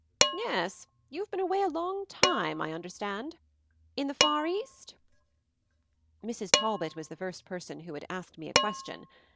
"Yes, you've been away a long time, I un derstand. In the far East?" Mrs. Talbot was the first person who had asked me a question.